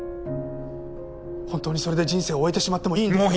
本当にそれで人生を終えてしまってもいいんですか？